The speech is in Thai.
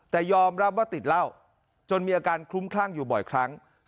แต่ยอมรับว่าติดเหล้าจนมีอาการคลุ้มคลั่งอยู่บ่อยครั้ง